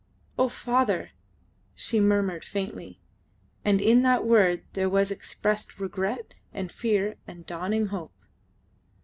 "Oh, father!" she murmured faintly, and in that word there was expressed regret and fear and dawning hope.